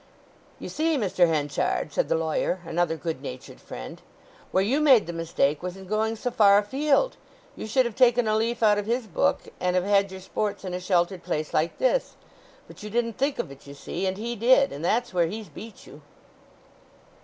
"You see, Mr. Henchard," said the lawyer, another goodnatured friend, "where you made the mistake was in going so far afield. You should have taken a leaf out of his book, and have had your sports in a sheltered place like this. But you didn't think of it, you see; and he did, and that's where he's beat you."